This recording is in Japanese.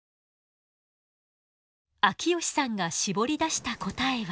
秋吉さんが絞り出した答えは。